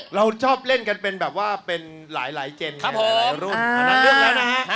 เราชอบเล่นกันเป็นแบบว่าเป็นหลายเจนหลายรุ่น